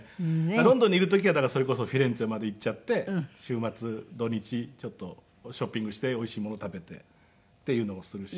ロンドンにいる時はそれこそフィレンツェまで行っちゃって週末土日ちょっとショッピングしておいしいもの食べてっていうのもするし。